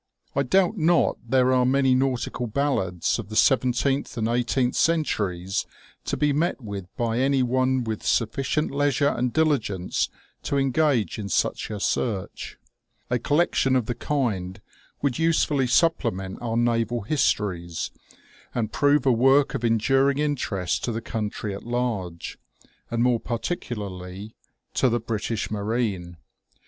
I doubt not there are many nautical ballads of the seventeenth and eighteenth centuries to be met with by any one with sufficient leisure and diligence to engage in such a search. A collection of the kind would usefully supplement our naval histories, and prove a work of enduring interest to the country at large, and more particularly to the British marine.